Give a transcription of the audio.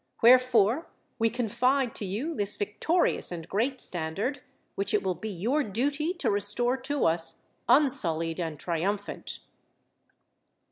Wherefore, we confide to you this victorious and great standard, which it will be your duty to restore to us unsullied and triumphant."